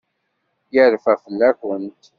Yerfa fell-akent.